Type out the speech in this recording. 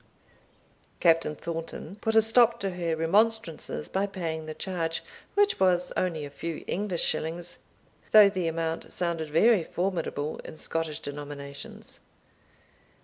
Captain Thornton put a stop to her remonstrances by paying the charge, which was only a few English shillings, though the amount sounded very formidable in Scottish denominations.